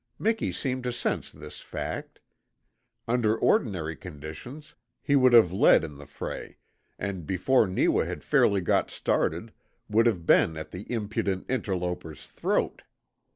Miki seemed to sense this fact. Under ordinary conditions he would have led in the fray, and before Neewa had fairly got started, would have been at the impudent interloper's throat.